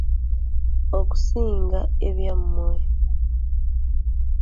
Okusinga ebyammwe.